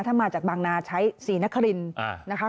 ถ้ามาจากบางนาใช้ศรีนครินนะคะ